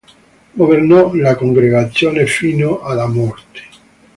Governò la congregazione fino alla morte.